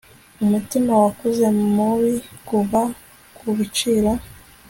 Umutima wakuze mubi kuva kubiciro